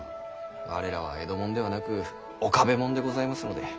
我らは江戸もんではなく岡部もんでございますので。